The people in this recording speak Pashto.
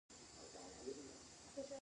زه ډېر ملي فکره غیرپښتانه پېژنم.